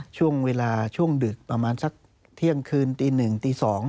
ช่วงเวลาช่วงดึกประมาณสักเที่ยงคืนตี๑ตี๒